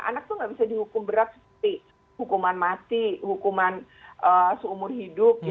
anak tuh nggak bisa dihukum berat seperti hukuman mati hukuman seumur hidup